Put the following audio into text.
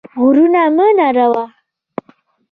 غرونه مه نړوه.